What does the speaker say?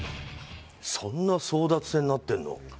そんな争奪戦になってるの？